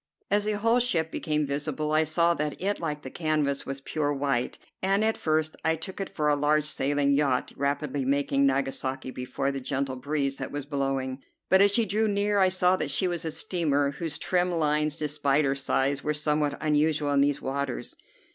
As the whole ship became visible I saw that it, like the canvas, was pure white, and at first I took it for a large sailing yacht rapidly making Nagasaki before the gentle breeze that was blowing; but as she drew near I saw that she was a steamer, whose trim lines, despite her size, were somewhat unusual in these waters.